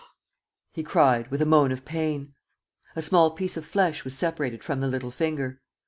he cried, with a moan of pain. A small piece of flesh was separated from the little finger.